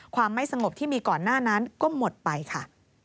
ความไม่สงบที่มีก่อนหน้านั้นก็หมดไปค่ะ